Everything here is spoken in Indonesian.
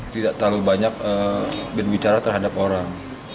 tidak terlalu banyak berbicara terhadap orang